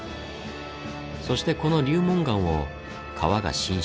そしてこの流紋岩を川が侵食。